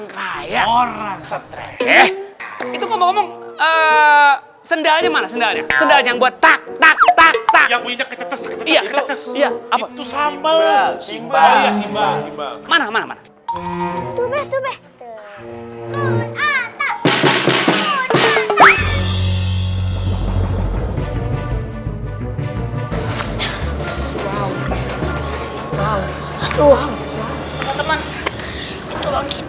kalian beresek ini kaki tambah sakit